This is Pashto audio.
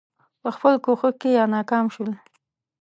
په خپل کوښښ کې یا ناکام شو.